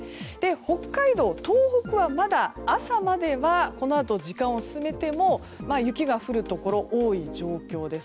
北海道、東北はまだ朝までは時間を進めても雪が降るところ、多い状況です。